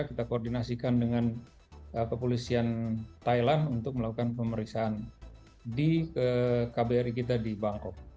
kita koordinasikan dengan kepolisian thailand untuk melakukan pemeriksaan di kbri kita di bangkok